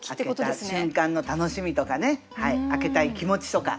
開けた瞬間の楽しみとかね開けたい気持ちとか。